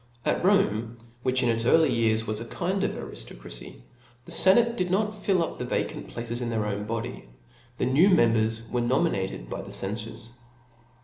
At Rome, which in its early years was a kirtd of ariftbcracy^ the fenate did not fill up the vacant plaCes in their own body ; the new members were nominated by the f cenfors.